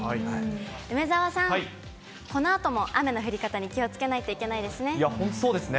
梅澤さん、このあとも雨の降り方に気をつけないといけないですね。